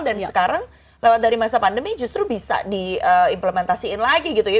dan sekarang lewat dari masa pandemi justru bisa diimplementasiin lagi gitu ya